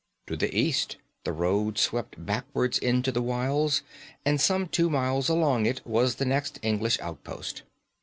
To the east the road swept backwards into the wilds, and some two miles along it was the next English outpost.